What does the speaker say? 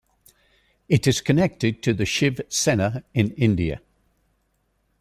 It is connected to the Shiv Sena in India.